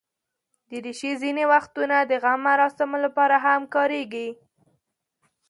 دریشي ځینې وختونه د غم مراسمو لپاره هم کارېږي.